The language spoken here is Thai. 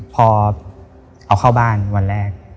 พอเอาเข้าบ้านวันแรก